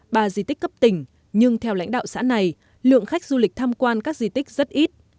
ba di tích cấp tỉnh nhưng theo lãnh đạo xã này lượng khách du lịch tham quan các di tích rất ít